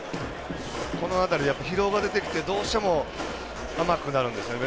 この辺り、疲労が出てきてどうしても甘くなるんですよね。